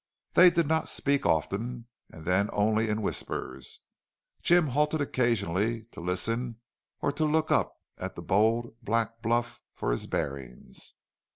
They did not speak often, and then only in whispers. Jim halted occasionally to listen or to look up at the bold, black bluff for his bearings.